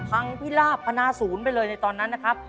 พังพิลาบพนาศูนย์ไปเลยในตอนนั้นนะครับ